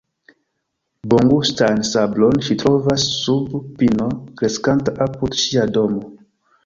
Bongustan sablon ŝi trovas sub pino kreskanta apud ŝia domo.